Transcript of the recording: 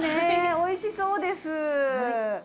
美味しそうです。